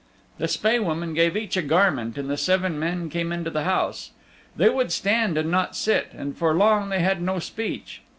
The Spae Woman gave each a garment and the seven men came into the house. They would stand and not sit, and for long they had no speech.